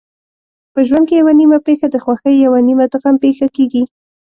په ژوند کې یوه نیمه پېښه د خوښۍ یوه نیمه د غم پېښه کېږي.